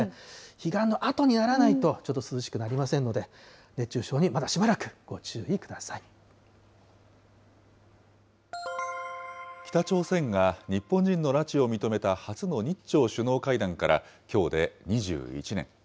彼岸のあとにならないとちょっと涼しくなりませんので、熱中症に北朝鮮が日本人の拉致を認めた初の日朝首脳会談からきょうで２１年。